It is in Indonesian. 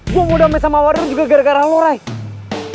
gue mau damai sama warung juga gara gara lo raya